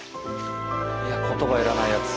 いや言葉いらないやつ。